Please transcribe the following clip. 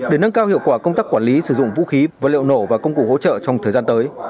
để nâng cao hiệu quả công tác quản lý sử dụng vũ khí vật liệu nổ và công cụ hỗ trợ trong thời gian tới